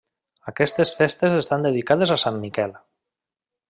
Aquestes festes estan dedicades a Sant Miquel.